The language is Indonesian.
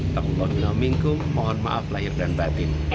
tauhut ngomongku mohon maaf lahir dan batin